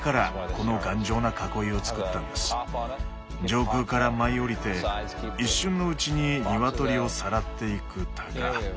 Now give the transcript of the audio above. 上空から舞い降りて一瞬のうちにニワトリをさらっていくタカ。